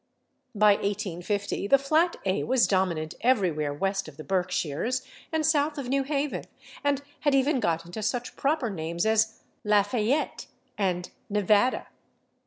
By 1850 the flat /a/ was dominant everywhere West of the Berkshires and South of New Haven, and had even got into such proper names as /Lafayette/ and /Nevada